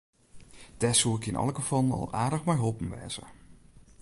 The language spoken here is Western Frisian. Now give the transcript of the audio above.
Dêr soe ik yn alle gefallen al aardich mei holpen wêze.